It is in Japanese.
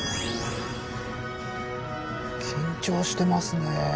緊張してますね。